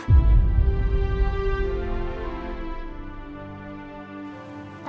makan aja tuh